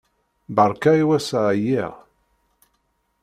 Beṛka i wass-a. ɛyiɣ.